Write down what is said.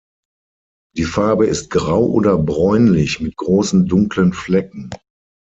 Die Farbe ist grau oder bräunlich mit großen dunklen Flecken.